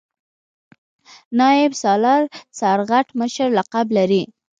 نایب سالار سرغټ مشر لقب لري.